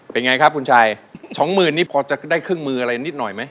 เป็นไงครับคุณชัยสองหมื่นนี่พอจะได้เครื่องมืออะไรนิดหน่อยไหม